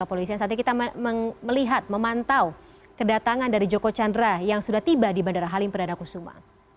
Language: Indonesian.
kita akan melihat memantau kedatangan dari joko candra yang sudah tiba di bandara halim perdana kusuma